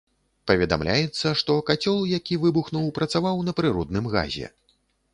Паведамляецца, што кацёл, які выбухнуў, працаваў на прыродным газе.